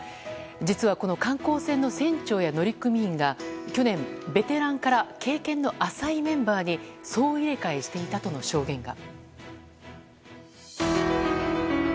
実はこの観光船の船長や乗組員が去年、ベテランから経験の浅いメンバーに総入れ替えしていたとの証言が。